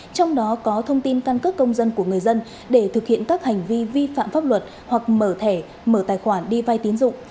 trong đó có thông tin căn cước công dân của người dân để thực hiện các hành vi vi phạm pháp luật hoặc mở thẻ mở tài khoản đi vai tín dụng